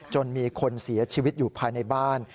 จนมีคนเสียชีวิตอยู่ภายในบ้าน